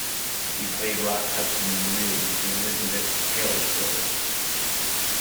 He played Rock Hudson in "Liz: The Elizabeth Taylor Story".